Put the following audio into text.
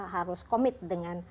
harus komit dengan